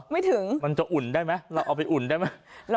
หรือมันจะอุ่นได้ไหมเราเอาไปอุ่นได้ไหมไม่ถึง